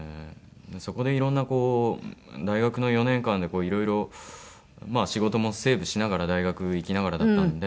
そこでいろんなこう大学の４年間でいろいろまあ仕事もセーブしながら大学行きながらだったんで。